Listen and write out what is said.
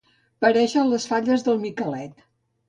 Parèixer les falles del Micalet.